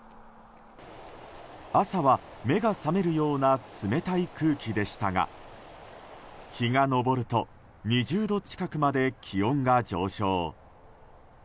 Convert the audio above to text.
朝は目が覚めるような冷たい空気でしたが日が昇ると２０度近くまで気温が上昇。